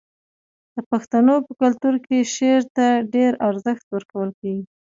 د پښتنو په کلتور کې شعر ته ډیر ارزښت ورکول کیږي.